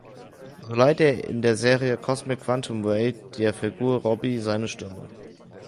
So leiht er in der Serie "Cosmic Quantum Ray" der Figur "Robbie" seine Stimme.